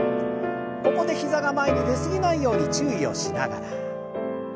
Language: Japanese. ここで膝が前に出過ぎないように注意をしながら。